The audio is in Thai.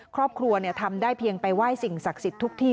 ครอบครัวทำได้เพียงไปไหว้สิ่งศักดิ์สิทธิ์ทุกที่